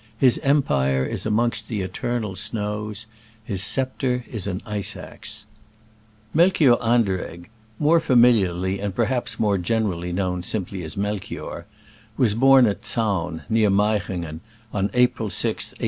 His empire is amongst the "eternal snows" — his sceptre is an ice axe. Melchior Anderegg — more familiarly and perhaps more generally known sim ply as Melchior — ^was born at Zaun, near Meiringen, on April 6, 1828.